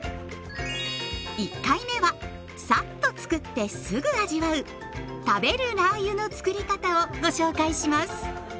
１回目はさっとつくってすぐ味わう食べるラー油のつくり方をご紹介します。